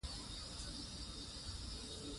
پامیر د افغان ښځو په ژوند کې هم رول لري.